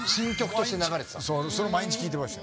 それ毎日聴いてました。